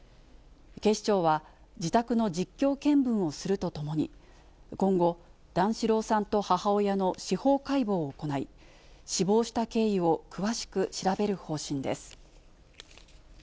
警視庁は、自宅の実況見分をするとともに、今後、段四郎さんと母親の司法解剖を行い、死亡した経緯を詳しく調べる方針です。